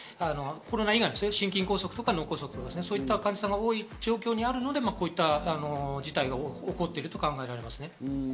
コロナ以外のですよ、心筋梗塞とか脳梗塞、そういった患者さんが多い状況にあるので、こういった事態が起こっていると考えられます。